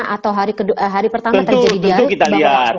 atau hari pertama terjadi dialog